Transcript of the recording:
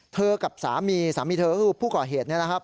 เธอกับสามีสามีเธอคือผู้ก่อเหตุนะครับ